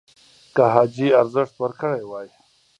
که حاجي ارزښت ورکړی وای